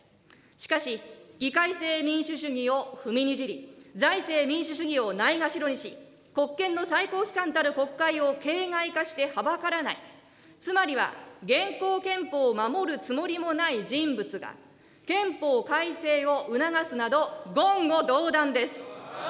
しかし、議会制民主主義を踏みにじり、財政民主主義をないがしろにし、国権の最高機関たる国会を形骸化してはばからない、つまりは現行憲法を守るつもりもない人物が憲法改正を促すなど、言語道断です。